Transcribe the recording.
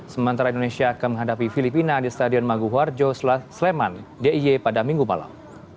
sementara indonesia akan menghadapi filipina di stadion maguhorjo sleman dia pada minggu malam